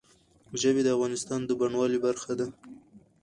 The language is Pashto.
ژبې د افغانستان د بڼوالۍ برخه ده.